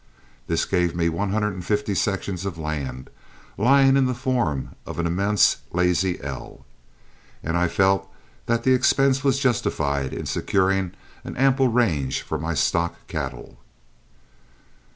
This gave me one hundred and fifty sections of land, lying in the form of an immense Lazy L, and I felt that the expense was justified in securing an ample range for my stock cattle.